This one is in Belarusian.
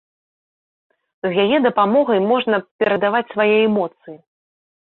З яе дапамогай можна перадаваць свае эмоцыі.